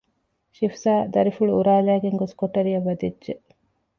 ޝިފްޒާ ދަރިފުޅު އުރާލައިގެން ގޮސް ކޮޓަރިއަށް ވަދެއްޖެ